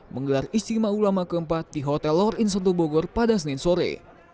menggelar istimewa ulama keempat di hotel lor inson tobogor pada senin sore